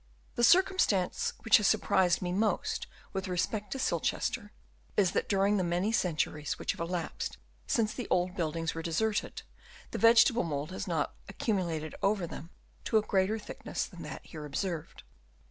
The circumstance which has surprised me most with respect to Silchester is that during the many centuries which have elapsed since the old buildings were deserted, the vegetable mould has not accumulated over them to a greater thickness than that here observed.